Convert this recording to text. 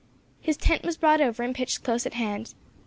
His tent was brought over and pitched close at hand.